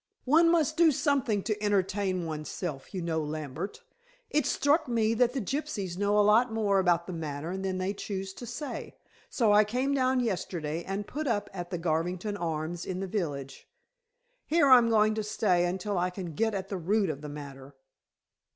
One must do something to entertain one's self, you know, Lambert. It struck me that the gypsies know a lot more about the matter than they chose to say, so I came down yesterday, and put up at the Garvington Arms in the village. Here I'm going to stay until I can get at the root of the matter."